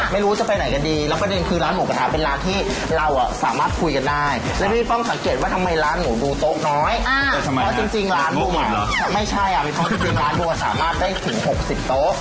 ไม่รู้จะไปไหนกันดี